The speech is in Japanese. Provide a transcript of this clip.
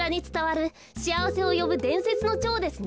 しあわせをよぶでんせつのチョウですね。